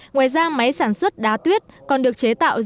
ngoài ra máy sản xuất đá tuyết còn được tạo ra từ nước biển